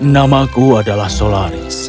namaku adalah solaris